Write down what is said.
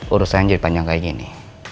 urusan jadi panjang kayak gini